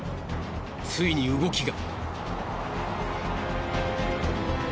ついに動きが。